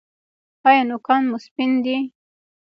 ایا نوکان مو سپین دي؟